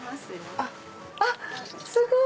あっすごい！